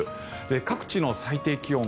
各地の最低気温